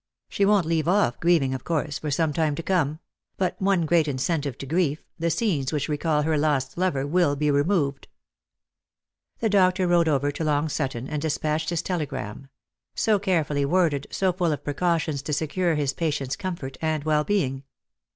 She won't leave off grieving, of course, for some time to come ; but one great incentive to grief, the scenes which recall her lost lover, will be removed." The doctor rode over to Long Sutton, and despatched his Lost fbr Love. 175 telegram ; so carefully worded, so full of precautions to secure his patient's comfort and well being.